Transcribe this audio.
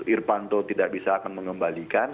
irvanto tidak bisa akan mengembalikan